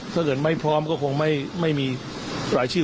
ถ้าเกิดไม่พร้อมก็คงไม่มีรายชื่อ